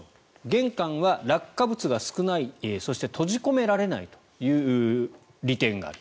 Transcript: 玄関は落下物が少ないそして、閉じ込められないという利点がある。